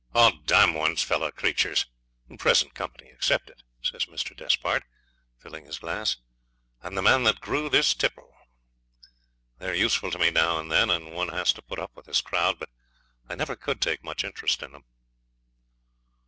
'Oh, d n one's fellow creatures; present company excepted,' says Mr. Despard, filling his glass, 'and the man that grew this "tipple". They're useful to me now and then and one has to put up with this crowd; but I never could take much interest in them.'